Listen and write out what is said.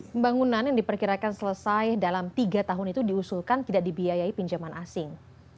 pembangunan yang diperkirakan selesai dalam tiga tahun itu diusulkan tidak dibiayai pinjaman asing